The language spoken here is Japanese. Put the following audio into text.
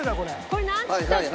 これなんつったっけ？